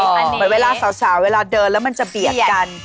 เหมือนเวลาสาวเวลาเดินแล้วมันจะเบียดกัน